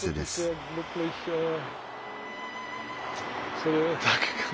それだけかな。